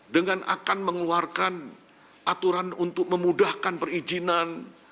dengan akan mengeluarkan aturan untuk memudahkan perizinan